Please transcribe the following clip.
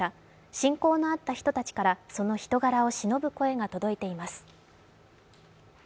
親交のあった人たちからその人柄をしのぶ声が届いています。